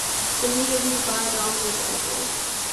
The meat of these bivalves is edible.